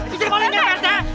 bisa boleh ya pak arjay